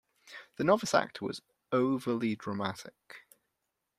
The novice actor was overly dramatic.